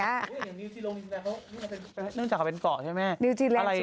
นอกจากเขาเป็นเกาะใช่ไหม้า